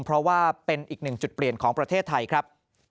เพราะว่าเป็นอีกหนึ่งจุดเปลี่ยนของประเทศไทยครับ